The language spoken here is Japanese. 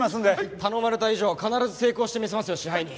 頼まれた以上は必ず成功してみせますよ支配人。